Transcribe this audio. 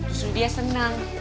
justru dia senang